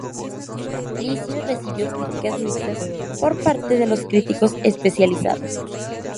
Lucius recibió críticas mixtas por parte de los críticos especializados.